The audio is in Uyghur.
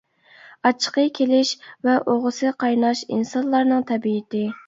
ئاچچىقى كېلىش ۋە ئوغىسى قايناش ئىنسانلارنىڭ تەبىئىتى.